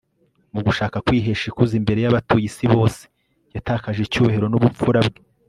mu gushaka kwihesha ikuzo imbere y'abatuye isi bose, yatakaje icyubahiro n'ubupfura bwe